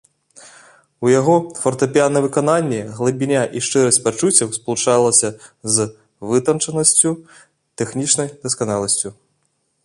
У яго фартэпіянным выкананні глыбіня і шчырасць пачуццяў спалучаліся з вытанчанасцю, тэхнічнай дасканаласцю.